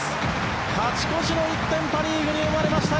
勝ち越しの１点パ・リーグに生まれました。